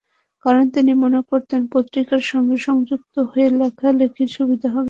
কারণ, তিনি মনে করতেন পত্রিকার সঙ্গে সংযুক্ত হলে লেখালেখির সুবিধা হবে।